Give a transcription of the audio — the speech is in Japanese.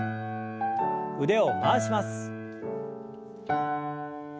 腕を回します。